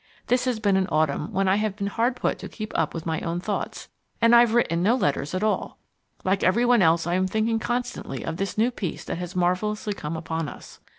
This has been an autumn when I have been hard put to it to keep up with my own thoughts, and I've written no letters at all. Like everyone else I am thinking constantly of this new peace that has marvellously come upon us.